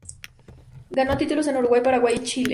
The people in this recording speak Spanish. Ganó títulos en Uruguay, Paraguay y Chile.